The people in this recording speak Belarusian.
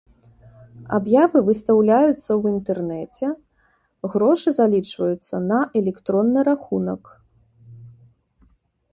Аб'явы выстаўляюцца ў інтэрнэце, грошы залічваюцца на электронны рахунак.